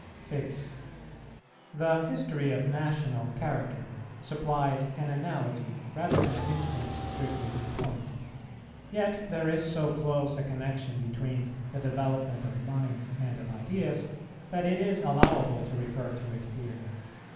6. The history of national character supplies an analogy, rather than an instance strictly in point; yet there is so close a connexion between the development of minds and of ideas that it is allowable to refer to it here.